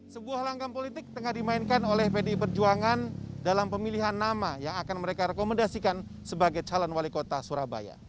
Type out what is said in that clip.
sebuah langkah politik tengah dimainkan oleh pdi perjuangan dalam pemilihan nama yang akan mereka rekomendasikan sebagai calon wali kota surabaya